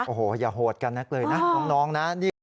โอ้โหอย่าโหดกันนักเลยนะน้องนะ